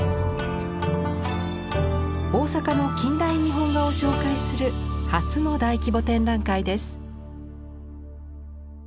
大阪の近代日本画を紹介する初の大規模展覧会です。